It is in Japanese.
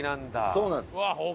そうなんです。